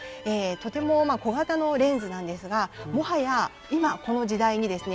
とても小型のレンズなんですがもはや今この時代にですね